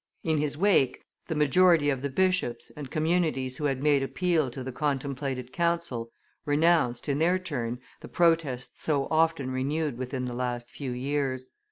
In his wake the majority of the bishops and communities who had made appeal to the contemplated council, renounced, in their turn, the protests so often renewed within the last few years.